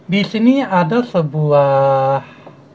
di sini ada sebuah